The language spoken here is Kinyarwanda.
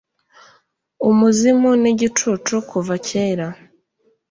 umuzimu nigicucu kuva kera